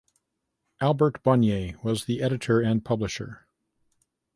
Albert Bonnier was the editor and publisher.